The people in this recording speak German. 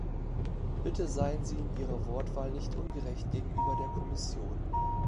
Bitte seien Sie in Ihrer Wortwahl nicht ungerecht gegenüber der Kommission.